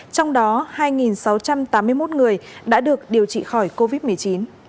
trong đó hai sáu trăm tám mươi một người đã được điều trị khỏi covid một mươi chín